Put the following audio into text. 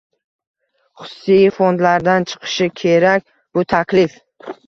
Xususiy fondlardan chiqishi kerak bu taklif.